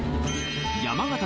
山形